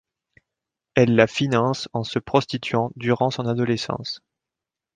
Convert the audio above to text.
Elle la finance en se prostituant durant son adolescence.